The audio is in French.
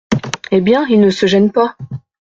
Eh bien, il ne se gène pas !